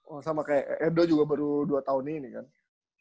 oh sama kayak edo juga baru dua tahun ini kan